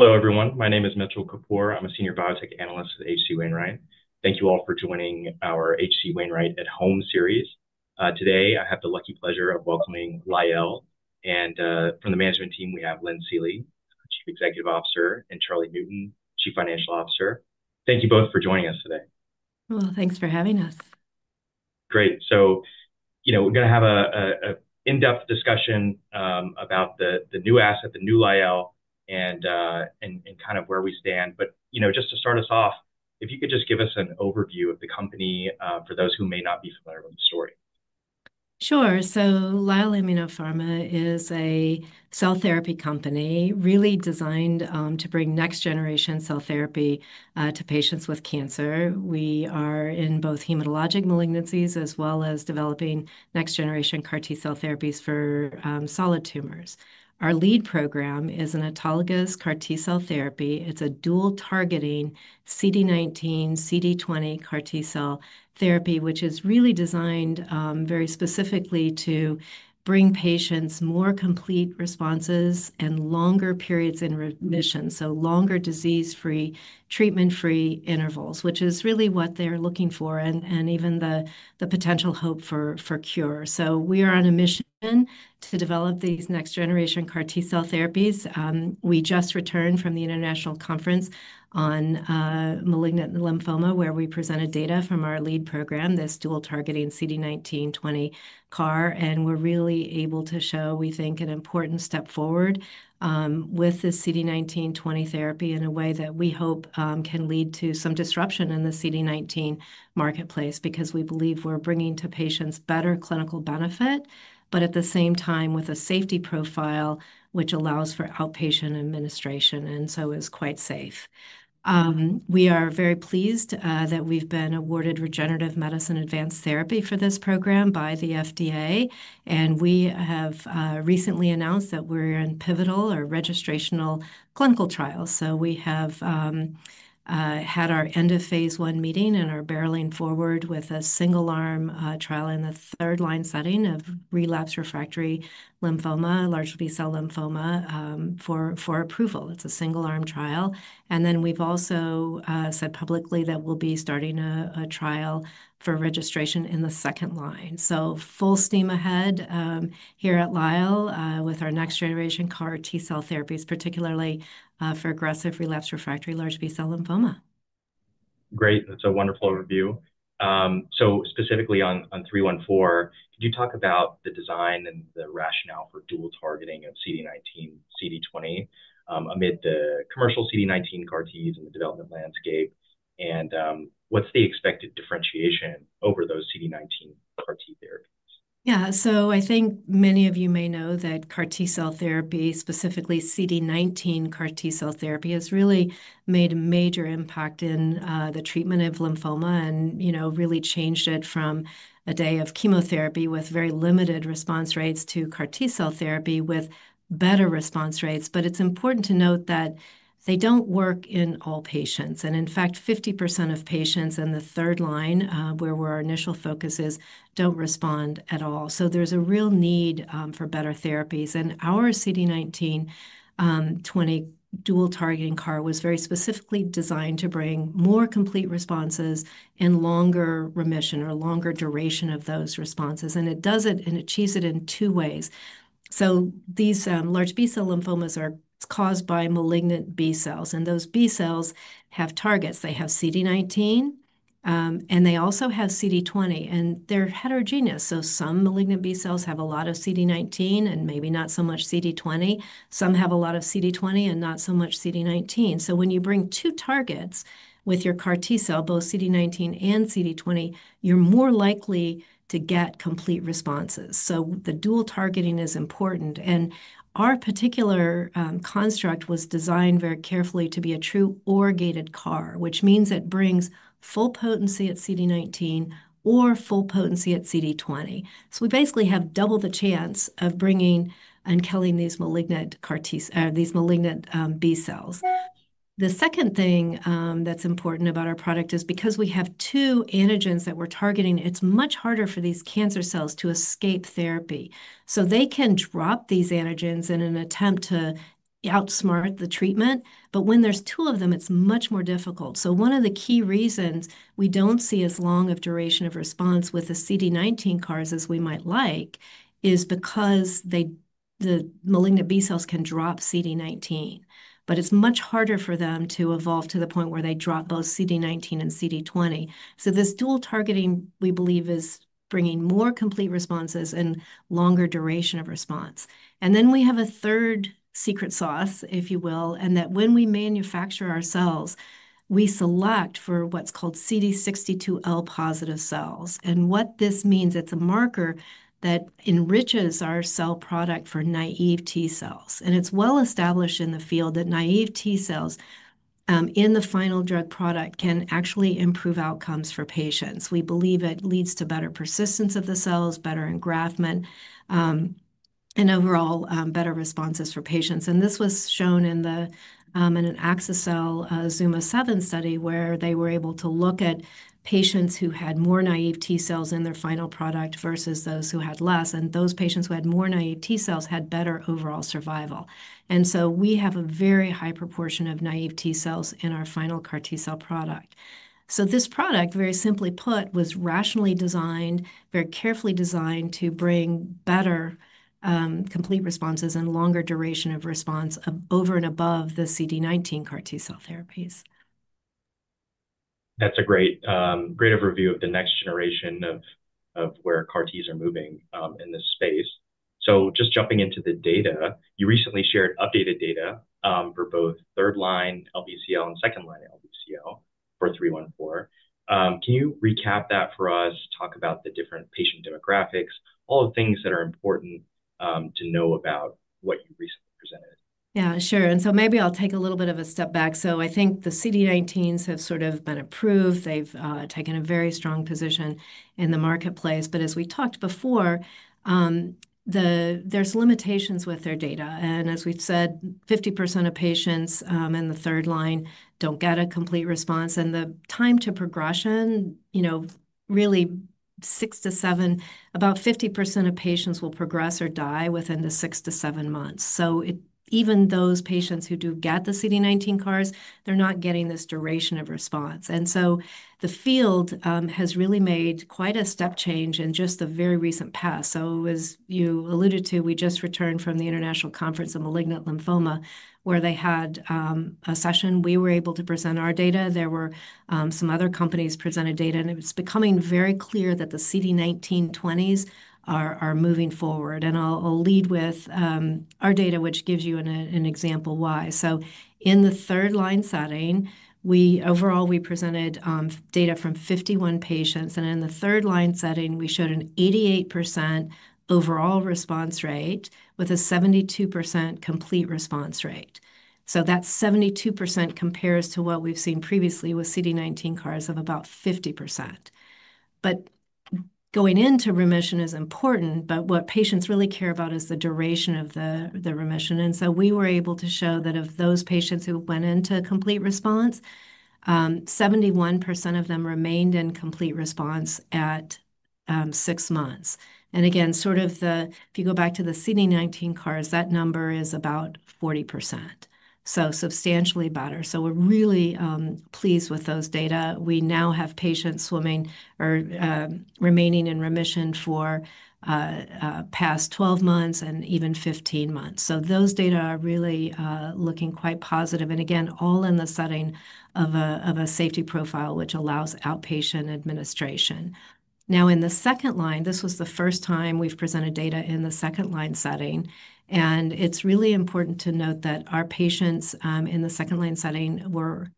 Hello, everyone. My name is Mitchell Kapoor. I'm a senior biotech analyst at HC Wainwright. Thank you all for joining our HC Wainwright at Home series. Today, I have the lucky pleasure of welcoming Lyell. From the management team, we have Lynn Seely, Chief Executive Officer, and Charlie Newton, Chief Financial Officer. Thank you both for joining us today. Thanks for having us. Great. So, you know, we're going to have an in-depth discussion about the new asset, the new Lyell, and kind of where we stand. But, you know, just to start us off, if you could just give us an overview of the company for those who may not be familiar with the story. Sure. Lyell Immunopharma is a cell therapy company really designed to bring next-generation cell therapy to patients with cancer. We are in both hematologic malignancies as well as developing next-generation CAR T-cell therapies for solid tumors. Our lead program is an autologous CAR T-cell therapy. It is a dual-targeting CD19, CD20 CAR T-cell therapy, which is really designed very specifically to bring patients more complete responses and longer periods in remission, so longer disease-free, treatment-free intervals, which is really what they are looking for and even the potential hope for cure. We are on a mission to develop these next-generation CAR T-cell therapies. We just returned from the International Conference on Malignant Lymphoma, where we presented data from our lead program, this dual-targeting CD19/20 CAR, and we're really able to show, we think, an important step forward with this CD19/20 therapy in a way that we hope can lead to some disruption in the CD19 marketplace because we believe we're bringing to patients better clinical benefit, but at the same time with a safety profile which allows for outpatient administration and so is quite safe. We are very pleased that we've been awarded Regenerative Medicine Advanced Therapy for this program by the FDA, and we have recently announced that we're in pivotal or registrational clinical trials. We have had our end of phase I meeting and are barreling forward with a single-arm trial in the third-line setting of relapsed refractory lymphoma, large B-cell lymphoma, for approval. It's a single-arm trial. We've also said publicly that we'll be starting a trial for registration in the second line. Full steam ahead here at Lyell with our next-generation CAR T-cell therapies, particularly for aggressive relapsed refractory large B-cell lymphoma. Great. That's a wonderful overview. Specifically on 314, could you talk about the design and the rationale for dual-targeting of CD19/CD20 amid the commercial CD19 CAR Ts in the development landscape? What's the expected differentiation over those CD19 CAR T therapies? Yeah. So I think many of you may know that CAR T-cell therapy, specifically CD19 CAR T-cell therapy, has really made a major impact in the treatment of lymphoma and, you know, really changed it from a day of chemotherapy with very limited response rates to CAR T-cell therapy with better response rates. It is important to note that they do not work in all patients. In fact, 50% of patients in the third line, where our initial focus is, do not respond at all. There is a real need for better therapies. Our CD19/20 dual-targeting CAR was very specifically designed to bring more complete responses and longer remission or longer duration of those responses. It does it, and achieves it in two ways. These large B-cell lymphomas are caused by malignant B-cells, and those B-cells have targets. They have CD19, and they also have CD20, and they're heterogeneous. Some malignant B-cells have a lot of CD19 and maybe not so much CD20. Some have a lot of CD20 and not so much CD19. When you bring two targets with your CAR T-cell, both CD19 and CD20, you're more likely to get complete responses. The dual-targeting is important. Our particular construct was designed very carefully to be a true or gated CAR, which means it brings full potency at CD19 or full potency at CD20. We basically have double the chance of bringing and killing these malignant B-cells. The second thing that's important about our product is because we have two antigens that we're targeting, it's much harder for these cancer cells to escape therapy. They can drop these antigens in an attempt to outsmart the treatment, but when there's two of them, it's much more difficult. One of the key reasons we don't see as long of duration of response with the CD19 CARs as we might like is because the malignant B cells can drop CD19, but it's much harder for them to evolve to the point where they drop both CD19 and CD20. This dual-targeting, we believe, is bringing more complete responses and longer duration of response. We have a third secret sauce, if you will, and that when we manufacture our cells, we select for what's called CD62L positive cells. What this means, it's a marker that enriches our cell product for naive T-cells. It is well established in the field that naive T-cells in the final drug product can actually improve outcomes for patients. We believe it leads to better persistence of the cells, better engraftment, and overall better responses for patients. This was shown in an axi-cel ZUMA-7 study where they were able to look at patients who had more naive T-cells in their final product versus those who had less, and those patients who had more naive T-cells had better overall survival. We have a very high proportion of naive T-cells in our final CAR T-cell product. This product, very simply put, was rationally designed, very carefully designed to bring better complete responses and longer duration of response over and above the CD19 CAR T-cell therapies. That's a great overview of the next generation of where CAR Ts are moving in this space. Just jumping into the data, you recently shared updated data for both third-line LBCL and second-line LBCL for 314. Can you recap that for us, talk about the different patient demographics, all the things that are important to know about what you recently presented? Yeah, sure. Maybe I'll take a little bit of a step back. I think the CD19s have sort of been approved. They've taken a very strong position in the marketplace. As we talked before, there's limitations with their data. As we've said, 50% of patients in the third line don't get a complete response. The time to progression, you know, really six to seven, about 50% of patients will progress or die within the six to seven months. Even those patients who do get the CD19 CARs, they're not getting this duration of response. The field has really made quite a step change in just the very recent past. As you alluded to, we just returned from the International Conference on Malignant Lymphoma, where they had a session. We were able to present our data. There were some other companies presented data, and it was becoming very clear that the CD19/20s are moving forward. I'll lead with our data, which gives you an example why. In the third-line setting, overall, we presented data from 51 patients. In the third-line setting, we showed an 88% overall response rate with a 72% complete response rate. That 72% compares to what we've seen previously with CD19 CARs of about 50%. Going into remission is important, but what patients really care about is the duration of the remission. We were able to show that of those patients who went into complete response, 71% of them remained in complete response at six months. If you go back to the CD19 CARs, that number is about 40%, so substantially better. We're really pleased with those data. We now have patients swimming or remaining in remission for the past 12 months and even 15 months. Those data are really looking quite positive. Again, all in the setting of a safety profile, which allows outpatient administration. In the second line, this was the first time we've presented data in the second-line setting. It's really important to note that our patients in the second-line setting were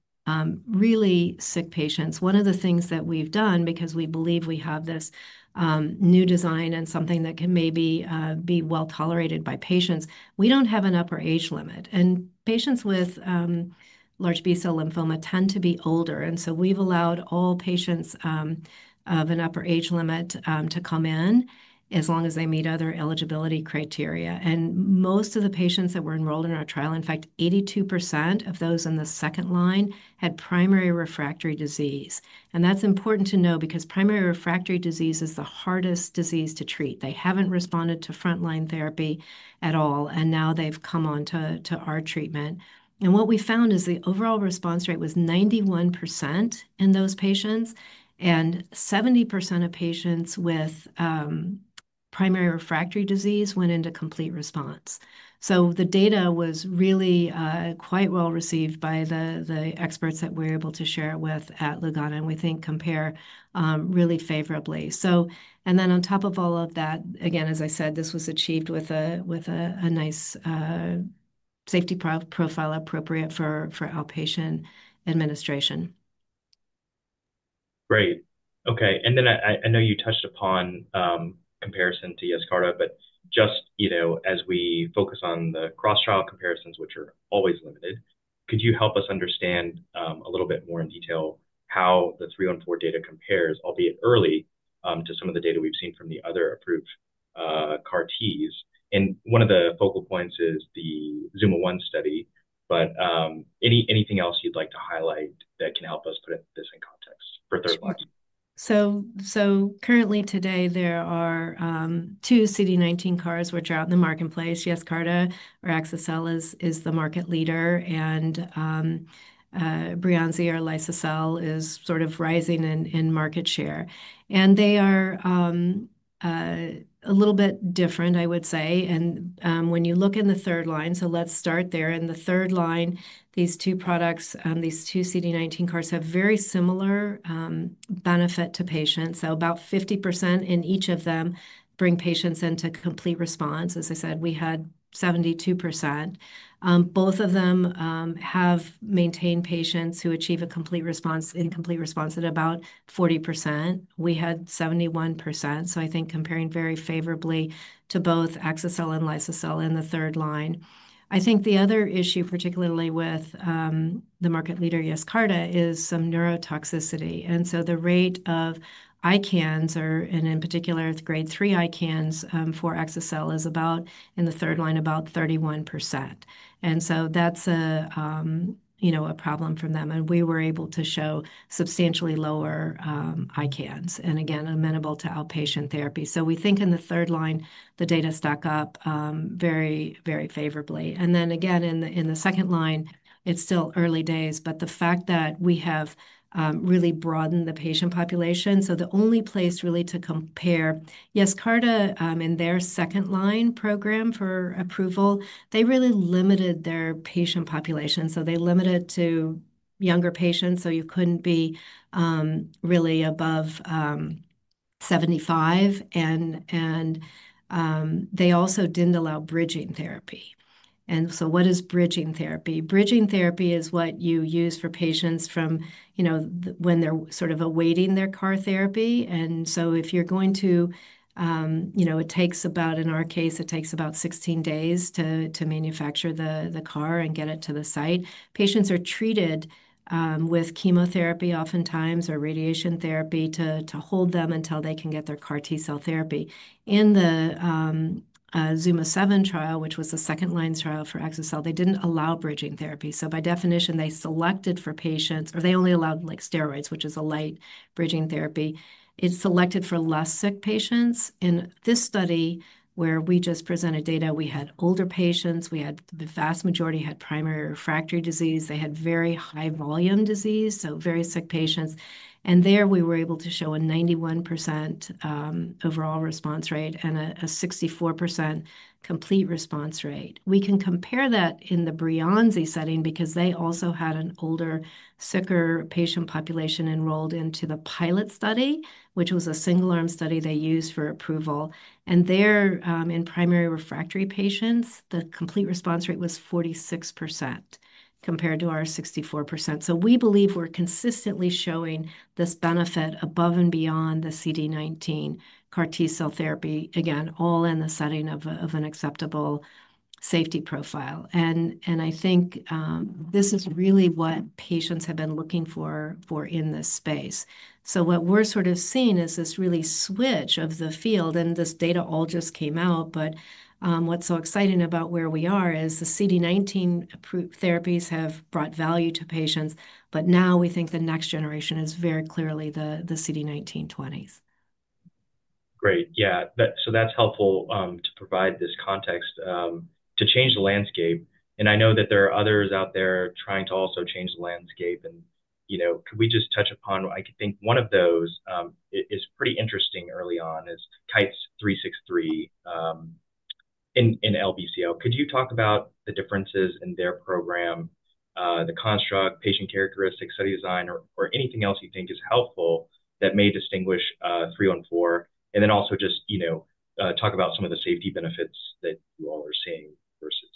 really sick patients. One of the things that we've done, because we believe we have this new design and something that can maybe be well tolerated by patients, we don't have an upper age limit. Patients with large B-cell lymphoma tend to be older. We've allowed all patients of an upper age limit to come in as long as they meet other eligibility criteria. Most of the patients that were enrolled in our trial, in fact, 82% of those in the second line had primary refractory disease. That is important to know because primary refractory disease is the hardest disease to treat. They have not responded to front-line therapy at all, and now they have come on to our treatment. What we found is the overall response rate was 91% in those patients, and 70% of patients with primary refractory disease went into complete response. The data was really quite well received by the experts that we were able to share with at Lugano, and we think compare really favorably. On top of all of that, again, as I said, this was achieved with a nice safety profile appropriate for outpatient administration. Great. Okay. I know you touched upon comparison to YESCARTA, but just, you know, as we focus on the cross-trial comparisons, which are always limited, could you help us understand a little bit more in detail how the 314 data compares, albeit early, to some of the data we've seen from the other approved CAR Ts? One of the focal points is the ZUMA-1 study, but anything else you'd like to highlight that can help us put this in context for third line? Currently today, there are two CD19 CARs which are out in the marketplace. Yescarta or axi-cel is the market leader, and Breyanzi or liso-cel is sort of rising in market share. They are a little bit different, I would say. When you look in the third line, let's start there. In the third line, these two products, these two CD19 CARs, have very similar benefit to patients. About 50% in each of them bring patients into complete response. As I said, we had 72%. Both of them have maintained patients who achieve a complete response, incomplete response at about 40%. We had 71%. I think comparing very favorably to both axi-cel and liso-cel in the third line. I think the other issue, particularly with the market leader Yescarta, is some neurotoxicity. The rate of ICANS, and in particular, grade 3 ICANS for axi-cel is about, in the third line, about 31%. That is a, you know, a problem for them. We were able to show substantially lower ICANS, and again, amenable to outpatient therapy. We think in the third line, the data stack up very, very favorably. In the second line, it is still early days, but the fact that we have really broadened the patient population. The only place really to compare Yescarta in their second-line program for approval, they really limited their patient population. They limited to younger patients. You could not be really above 75. They also did not allow bridging therapy. What is bridging therapy? Bridging therapy is what you use for patients from, you know, when they are sort of awaiting their CAR therapy. If you're going to, you know, it takes about, in our case, it takes about 16 days to manufacture the CAR and get it to the site. Patients are treated with chemotherapy oftentimes or radiation therapy to hold them until they can get their CAR T-cell therapy. In the ZUMA-7 trial, which was the second-line trial for AXA cell, they did not allow bridging therapy. By definition, they selected for patients, or they only allowed like steroids, which is a light bridging therapy. It selected for less sick patients. In this study where we just presented data, we had older patients. We had the vast majority had primary refractory disease. They had very high volume disease, so very sick patients. There we were able to show a 91% overall response rate and a 64% complete response rate. We can compare that in the Breyanzi setting because they also had an older, sicker patient population enrolled into the pilot study, which was a single-arm study they used for approval. There in primary refractory patients, the complete response rate was 46% compared to our 64%. We believe we're consistently showing this benefit above and beyond the CD19 CAR T-cell therapy, again, all in the setting of an acceptable safety profile. I think this is really what patients have been looking for in this space. What we're sort of seeing is this really switch of the field, and this data all just came out. What's so exciting about where we are is the CD19 approved therapies have brought value to patients, but now we think the next generation is very clearly the CD19/20s. Great. Yeah. So that's helpful to provide this context to change the landscape. I know that there are others out there trying to also change the landscape. You know, could we just touch upon, I think one of those is pretty interesting early on is KITE-363 in LBCL. Could you talk about the differences in their program, the construct, patient characteristics, study design, or anything else you think is helpful that may distinguish 314? Also just, you know, talk about some of the safety benefits that you all are seeing versus.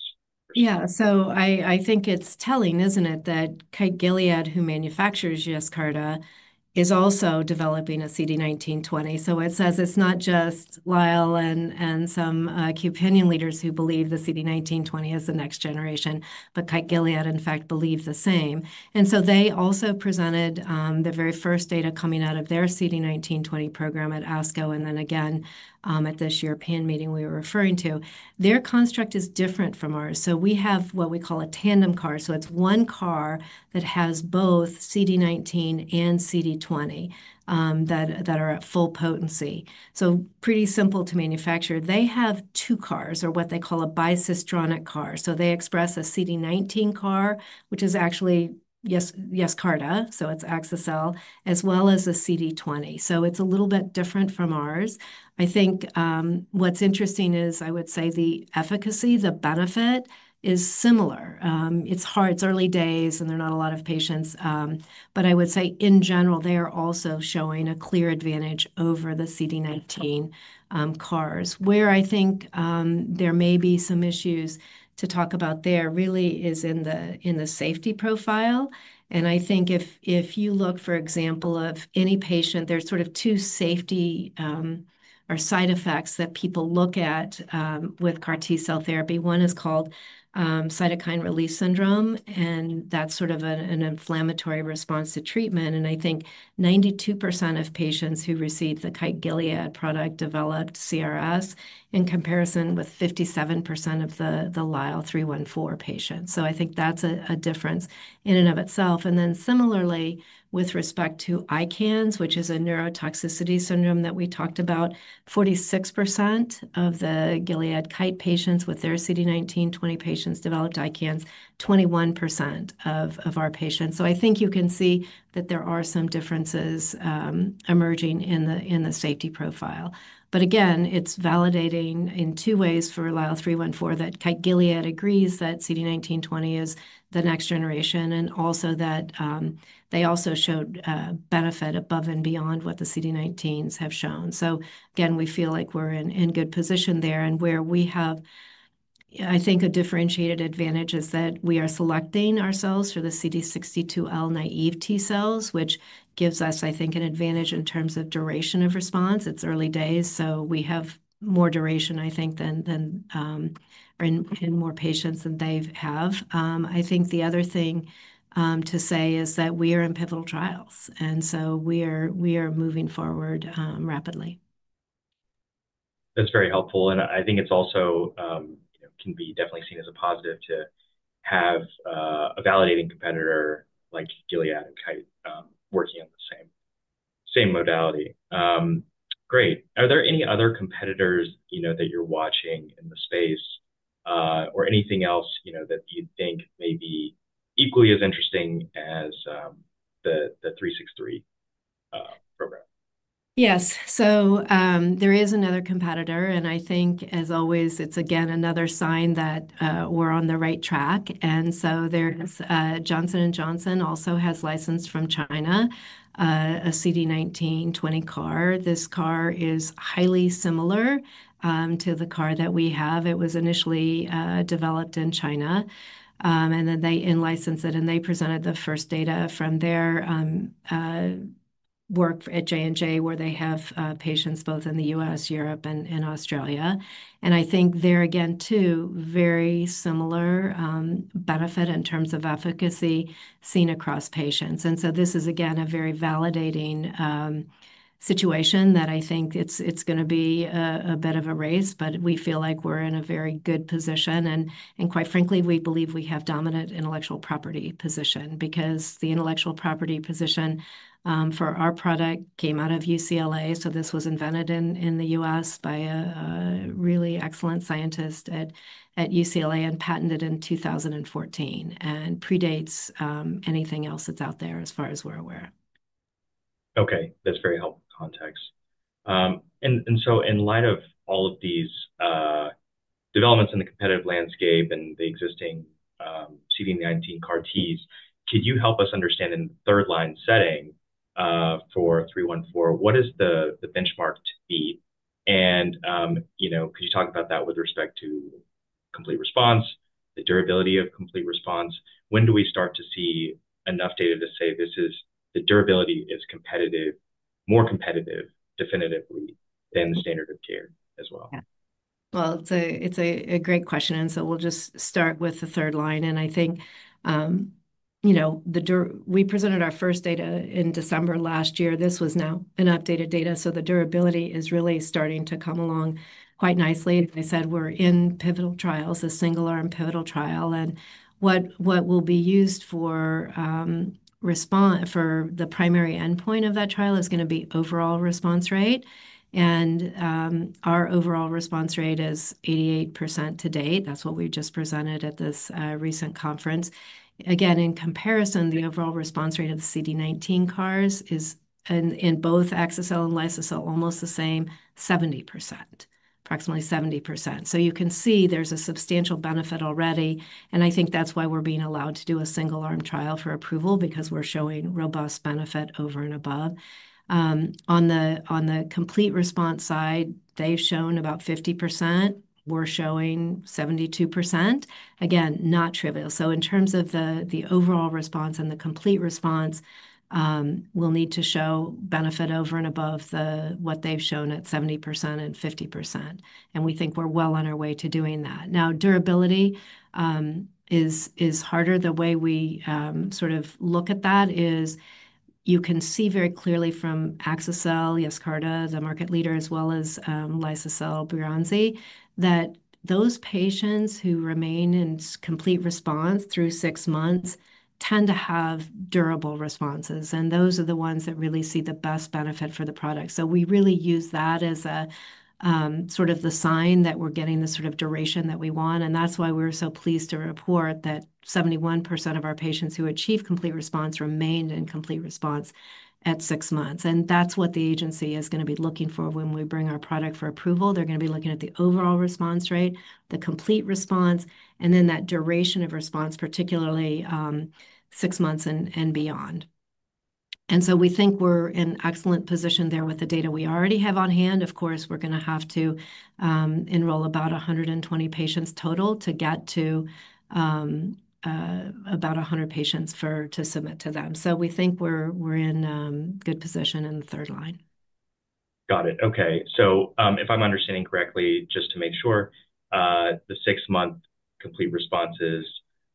Yeah. I think it's telling, isn't it, that Kite Gilead, who manufactures Yescarta, is also developing a CD19/20. It says it's not just Lyell and some acute opinion leaders who believe the CD19/20 is the next generation, but Kite Gilead, in fact, believes the same. They also presented the very first data coming out of their CD19/20 program at ASCO, and then again at this European meeting we were referring to. Their construct is different from ours. We have what we call a tandem CAR. It's one CAR that has both CD19 and CD20 that are at full potency, so pretty simple to manufacture. They have two CARs, or what they call a bisystronic CAR. They express a CD19 CAR, which is actually Yescarta, so it's AXA cell, as well as a CD20. It's a little bit different from ours. I think what's interesting is I would say the efficacy, the benefit is similar. It's hard, it's early days, and there are not a lot of patients. I would say in general, they are also showing a clear advantage over the CD19 CARs. Where I think there may be some issues to talk about there really is in the safety profile. I think if you look, for example, at any patient, there are sort of two safety or side effects that people look at with CAR T-cell therapy. One is called cytokine release syndrome, and that's sort of an inflammatory response to treatment. I think 92% of patients who received the Kite Gilead product developed CRS in comparison with 57% of the LYL314 patients. I think that's a difference in and of itself. Then similarly, with respect to ICANS, which is a neurotoxicity syndrome that we talked about, 46% of the Gilead Kite patients with their CD19/20 patients developed ICANS, 21% of our patients. I think you can see that there are some differences emerging in the safety profile. Again, it's validating in two ways for LYL314 that Kite Gilead agrees that CD19/20 is the next generation and also that they also showed benefit above and beyond what the CD19s have shown. Again, we feel like we're in good position there. Where we have, I think, a differentiated advantage is that we are selecting our cells for the CD62L naive T-cells, which gives us, I think, an advantage in terms of duration of response. It's early days, so we have more duration, I think, than in more patients than they have. I think the other thing to say is that we are in pivotal trials. We are moving forward rapidly. That's very helpful. I think it's also, you know, can be definitely seen as a positive to have a validating competitor like Gilead and Kite working on the same modality. Great. Are there any other competitors, you know, that you're watching in the space or anything else, you know, that you think may be equally as interesting as the 363 program? Yes. There is another competitor. I think, as always, it's again another sign that we're on the right track. Johnson & Johnson also has licensed from China a CD19/20 CAR. This CAR is highly similar to the CAR that we have. It was initially developed in China, and then they licensed it, and they presented the first data from their work at J&J where they have patients both in the U.S., Europe, and Australia. I think there again, too, very similar benefit in terms of efficacy seen across patients. This is again a very validating situation that I think is going to be a bit of a race, but we feel like we're in a very good position. Quite frankly, we believe we have dominant intellectual property position because the intellectual property position for our product came out of UCLA. This was invented in the U.S. by a really excellent scientist at UCLA and patented in 2014 and predates anything else that's out there as far as we're aware. Okay. That's very helpful context. In light of all of these developments in the competitive landscape and the existing CD19 CAR Ts, could you help us understand in the third-line setting for 314, what is the benchmark to beat? You know, could you talk about that with respect to complete response, the durability of complete response? When do we start to see enough data to say this is, the durability is competitive, more competitive definitively than the standard of care as well? Yeah. It's a great question. We'll just start with the third line. I think, you know, we presented our first data in December last year. This was now an updated data. The durability is really starting to come along quite nicely. As I said, we're in pivotal trials, a single-arm pivotal trial. What will be used for the primary endpoint of that trial is going to be overall response rate. Our overall response rate is 88% to date. That's what we just presented at this recent conference. Again, in comparison, the overall response rate of the CD19 CARs is in both AXA cell and Lysocell almost the same, 70%, approximately 70%. You can see there's a substantial benefit already. I think that's why we're being allowed to do a single-arm trial for approval because we're showing robust benefit over and above. On the complete response side, they've shown about 50%. We're showing 72%. Again, not trivial. In terms of the overall response and the complete response, we'll need to show benefit over and above what they've shown at 70% and 50%. We think we're well on our way to doing that. Now, durability is harder. The way we sort of look at that is you can see very clearly from Yescarta, the market leader, as well as Breyanzi, that those patients who remain in complete response through six months tend to have durable responses. Those are the ones that really see the best benefit for the product. We really use that as sort of the sign that we're getting the sort of duration that we want. That is why we are so pleased to report that 71% of our patients who achieve complete response remained in complete response at six months. That is what the agency is going to be looking for when we bring our product for approval. They are going to be looking at the overall response rate, the complete response, and then that duration of response, particularly six months and beyond. We think we are in excellent position there with the data we already have on hand. Of course, we are going to have to enroll about 120 patients total to get to about 100 patients to submit to them. We think we are in good position in the third line. Got it. Okay. If I'm understanding correctly, just to make sure, the six-month complete responses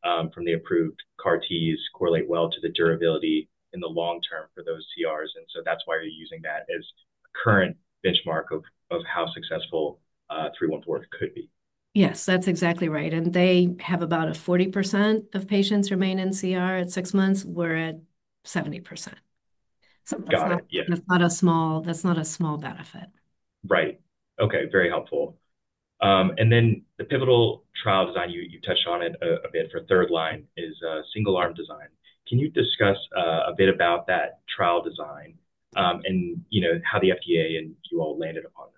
from the approved CAR Ts correlate well to the durability in the long term for those CRs. That is why you're using that as a current benchmark of how successful 314 could be. Yes, that's exactly right. They have about 40% of patients remain in CR at six months. We're at 70%. Got it. Yeah. That's not a small benefit. Right. Okay. Very helpful. The pivotal trial design you touched on a bit for third line is a single-arm design. Can you discuss a bit about that trial design and how the FDA and you all landed upon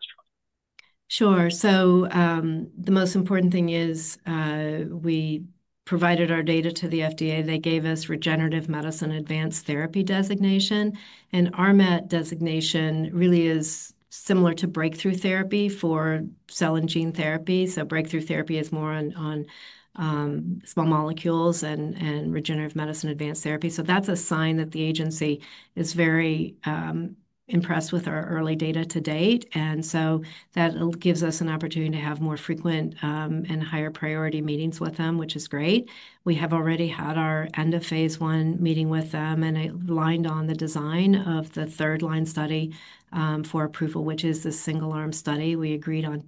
this trial? Sure. The most important thing is we provided our data to the FDA. They gave us Regenerative Medicine Advanced Therapy designation. RMAT designation really is similar to breakthrough therapy for cell and gene therapy. Breakthrough therapy is more on small molecules and Regenerative Medicine Advanced Therapy. That is a sign that the agency is very impressed with our early data to date. That gives us an opportunity to have more frequent and higher priority meetings with them, which is great. We have already had our end of phase I meeting with them, and it aligned on the design of the third line study for approval, which is the single-arm study. We agreed on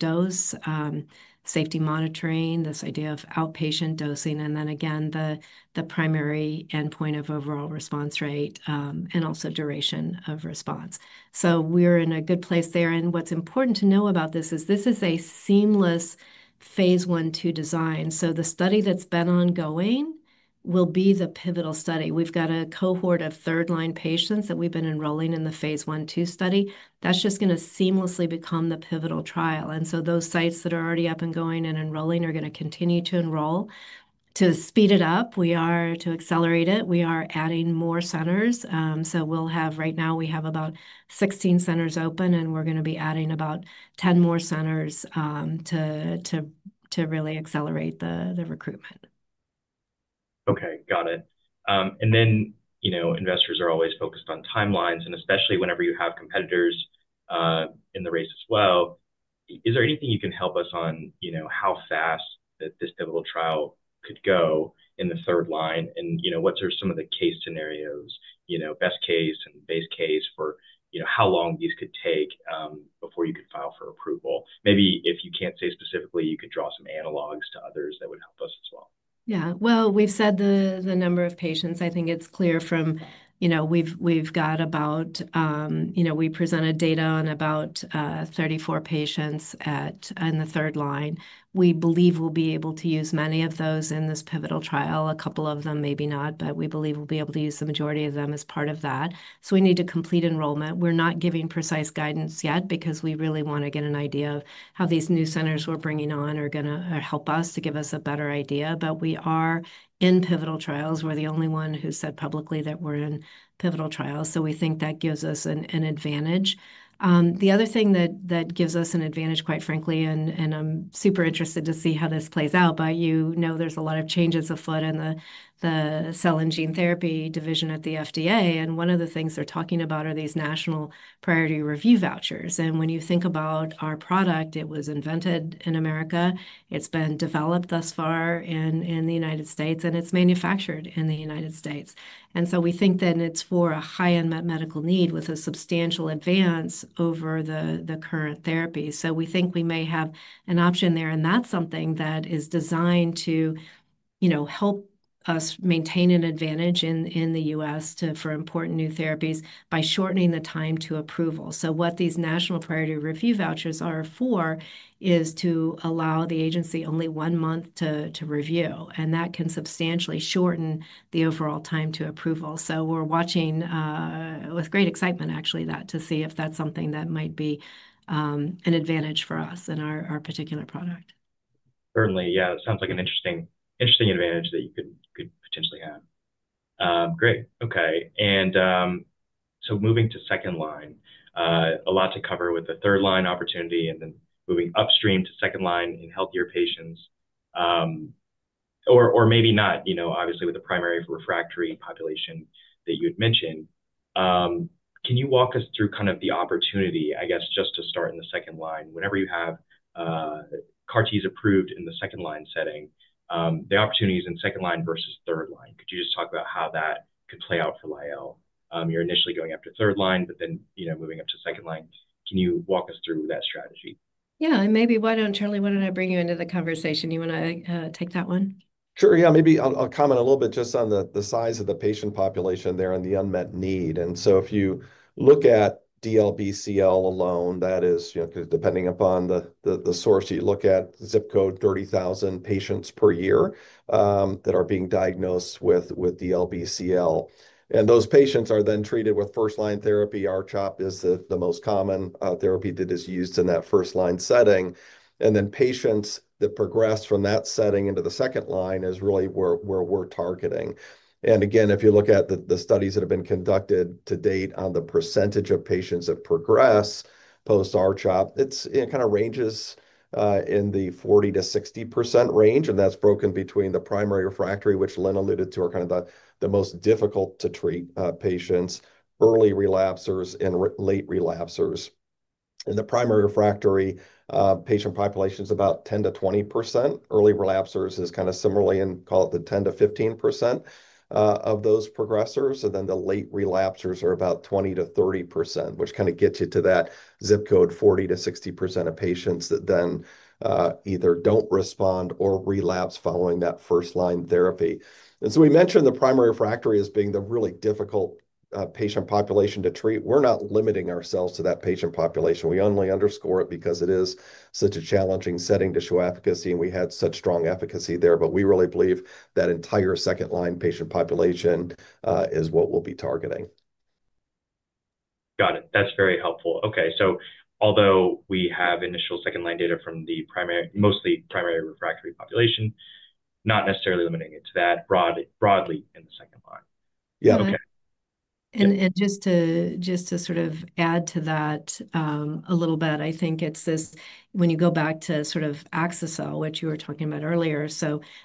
dose, safety monitoring, this idea of outpatient dosing, and then again, the primary endpoint of overall response rate and also duration of response. We are in a good place there. What's important to know about this is this is a seamless phase I/II design. The study that's been ongoing will be the pivotal study. We've got a cohort of third-line patients that we've been enrolling in the phase I/II study. That's just going to seamlessly become the pivotal trial. Those sites that are already up and going and enrolling are going to continue to enroll. To speed it up, to accelerate it, we are adding more centers. Right now, we have about 16 centers open, and we're going to be adding about 10 more centers to really accelerate the recruitment. Okay. Got it. You know, investors are always focused on timelines, especially whenever you have competitors in the race as well. Is there anything you can help us on, you know, how fast this pivotal trial could go in the third line? You know, what are some of the case scenarios, best case and base case, for how long these could take before you could file for approval? Maybe if you can't say specifically, you could draw some analogs to others that would help us as well. Yeah. We've said the number of patients, I think it's clear from, you know, we've got about, you know, we presented data on about 34 patients in the third line. We believe we'll be able to use many of those in this pivotal trial. A couple of them maybe not, but we believe we'll be able to use the majority of them as part of that. We need to complete enrollment. We're not giving precise guidance yet because we really want to get an idea of how these new centers we're bringing on are going to help us to give us a better idea. We are in pivotal trials. We're the only one who said publicly that we're in pivotal trials. We think that gives us an advantage. The other thing that gives us an advantage, quite frankly, and I'm super interested to see how this plays out, but you know there's a lot of changes afoot in the cell and gene therapy division at the FDA. One of the things they're talking about are these national priority review vouchers. When you think about our product, it was invented in America. It's been developed thus far in the United States, and it's manufactured in the United States. We think that it's for a high-end medical need with a substantial advance over the current therapy. We think we may have an option there. That's something that is designed to, you know, help us maintain an advantage in the U.S. for important new therapies by shortening the time to approval. What these national priority review vouchers are for is to allow the agency only one month to review. That can substantially shorten the overall time to approval. We're watching with great excitement, actually, to see if that's something that might be an advantage for us and our particular product. Certainly. Yeah. It sounds like an interesting advantage that you could potentially have. Great. Okay. Moving to second line, a lot to cover with the third line opportunity and then moving upstream to second line in healthier patients or maybe not, you know, obviously with the primary refractory population that you had mentioned. Can you walk us through kind of the opportunity, I guess, just to start in the second line? Whenever you have CAR Ts approved in the second line setting, the opportunities in second line versus third line, could you just talk about how that could play out for Lyell? You're initially going after third line, but then, you know, moving up to second line. Can you walk us through that strategy? Yeah. Maybe, Charlie, why don't I bring you into the conversation? You want to take that one? Sure. Yeah. Maybe I'll comment a little bit just on the size of the patient population there and the unmet need. If you look at DLBCL alone, that is, you know, depending upon the source you look at, 30,000 patients per year that are being diagnosed with DLBCL. Those patients are then treated with first-line therapy. R-CHOP is the most common therapy that is used in that first-line setting. Patients that progress from that setting into the second line is really where we're targeting. If you look at the studies that have been conducted to date on the percentage of patients that progress post-R-CHOP, it kind of ranges in the 40%-60% range. That is broken between the primary refractory, which Lynn alluded to, are kind of the most difficult to treat patients, early relapsers, and late relapsers. In the primary refractory, patient population is about 10%-20%. Early relapsers is kind of similarly in, call it the 10%-15% of those progressors. The late relapsers are about 20%-30%, which kind of gets you to that zip code 40%-60% of patients that then either do not respond or relapse following that first-line therapy. We mentioned the primary refractory as being the really difficult patient population to treat. We are not limiting ourselves to that patient population. We only underscore it because it is such a challenging setting to show efficacy, and we had such strong efficacy there. We really believe that entire second-line patient population is what we will be targeting. Got it. That's very helpful. Okay. So although we have initial second-line data from the primary, mostly primary refractory population, not necessarily limiting it to that broadly in the second line. Yeah. Just to sort of add to that a little bit, I think it's this when you go back to sort of Yescarta, which you were talking about earlier.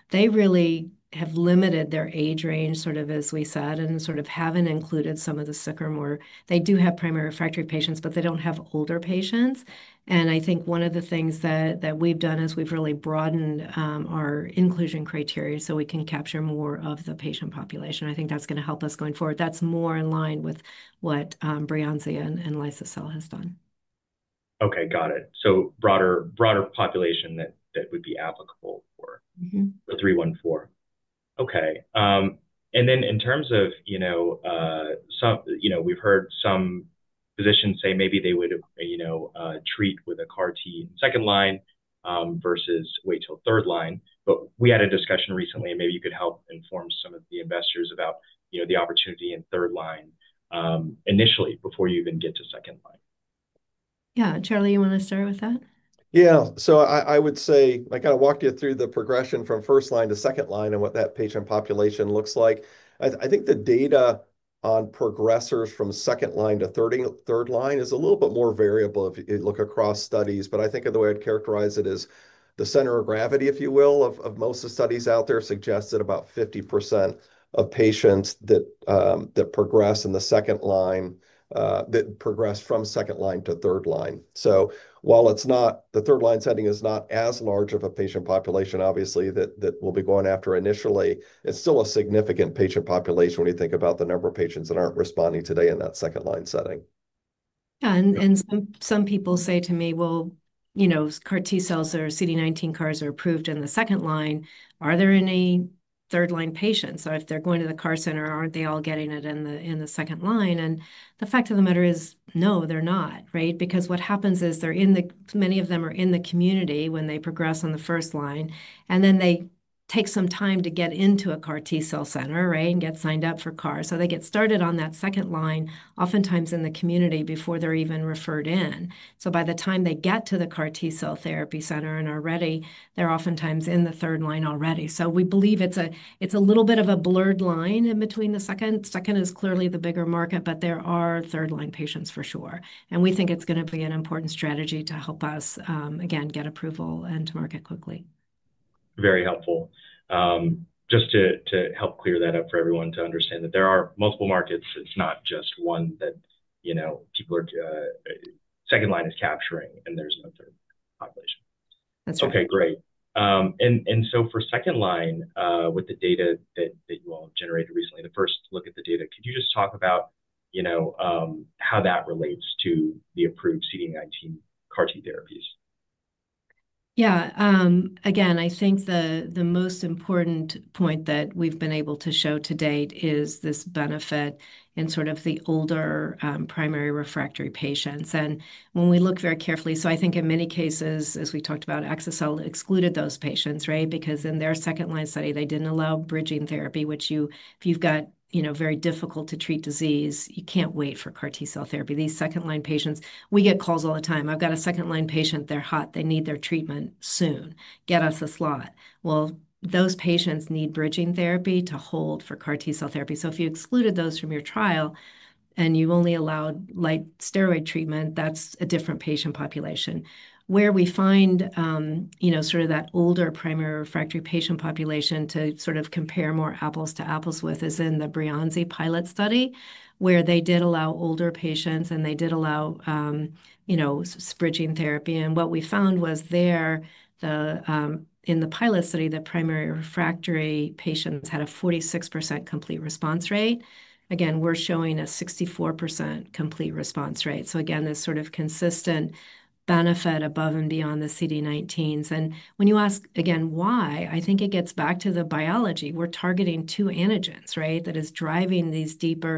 They really have limited their age range, sort of as we said, and sort of haven't included some of the sicker, more. They do have primary refractory patients, but they don't have older patients. I think one of the things that we've done is we've really broadened our inclusion criteria so we can capture more of the patient population. I think that's going to help us going forward. That's more in line with what Breyanzi and lisocabtagene maraleucel has done. Okay. Got it. So broader population that would be applicable for 314. Okay. And then in terms of, you know, we've heard some physicians say maybe they would, you know, treat with a CAR T in second line versus wait till third line. We had a discussion recently, and maybe you could help inform some of the investors about, you know, the opportunity in third line initially before you even get to second line. Yeah. Charlie, you want to start with that? Yeah. I would say I kind of walked you through the progression from first line to second line and what that patient population looks like. I think the data on progressors from second line to third line is a little bit more variable if you look across studies. I think the way I'd characterize it is the center of gravity, if you will, of most of the studies out there suggests that about 50% of patients that progress in the second line progress from second line to third line. While the third line setting is not as large of a patient population, obviously, that we'll be going after initially, it's still a significant patient population when you think about the number of patients that aren't responding today in that second line setting. Yeah. Some people say to me, well, you know, CAR T-cells or CD19 CARs are approved in the second line. Are there any third-line patients? If they're going to the CAR center, aren't they all getting it in the second line? The fact of the matter is, no, they're not, right? What happens is many of them are in the community when they progress on the first line. They take some time to get into a CAR T-cell center, right, and get signed up for CARs. They get started on that second line, oftentimes in the community before they're even referred in. By the time they get to the CAR T-cell therapy center and are ready, they're oftentimes in the third line already. We believe it's a little bit of a blurred line in between the second. Second is clearly the bigger market, but there are third-line patients for sure. We think it's going to be an important strategy to help us, again, get approval and to market quickly. Very helpful. Just to help clear that up for everyone to understand that there are multiple markets. It's not just one that, you know, people are second line is capturing and there's no third population. That's right. Okay. Great. And for second line, with the data that you all have generated recently, the first look at the data, could you just talk about, you know, how that relates to the approved CD19 CAR T therapies? Yeah. Again, I think the most important point that we've been able to show to date is this benefit in sort of the older primary refractory patients. And when we look very carefully, I think in many cases, as we talked about, Yescarta excluded those patients, right? Because in their second-line study, they didn't allow bridging therapy, which if you've got, you know, very difficult to treat disease, you can't wait for CAR T-cell therapy. These second-line patients, we get calls all the time. I've got a second-line patient. They're hot. They need their treatment soon. Get us a slot. Those patients need bridging therapy to hold for CAR T-cell therapy. If you excluded those from your trial and you only allowed light steroid treatment, that's a different patient population. Where we find, you know, sort of that older primary refractory patient population to sort of compare more apples to apples with is in the Breyanzi pilot study where they did allow older patients and they did allow, you know, bridging therapy. What we found was there in the pilot study, the primary refractory patients had a 46% complete response rate. Again, we're showing a 64% complete response rate. This sort of consistent benefit above and beyond the CD19s. When you ask again why, I think it gets back to the biology. We're targeting two antigens, right, that is driving these deeper.